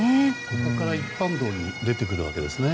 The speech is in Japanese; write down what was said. ここから一般道に出てくるわけですね。